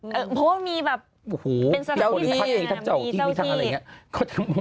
เพราะว่ามีแบบเป็นสถานการณ์มีเจ้าที่มีเจ้าที่ทั้งเจ้าที่ทั้งอะไรอย่างนี้